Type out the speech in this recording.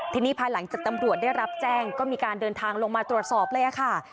ทีนี้ภายหลังจากตำรวจได้รับแจ้งก็มีการเดินทางลงมาตรวจสอบเลยค่ะ